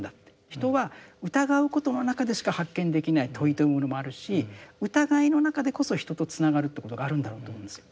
人は疑うことの中でしか発見できない問いというものもあるし疑いの中でこそ人とつながるってことがあるんだろうと思うんですよ。